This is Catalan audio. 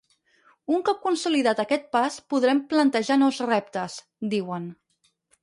Un cop consolidat aquest pas podrem plantejar nous reptes, diuen.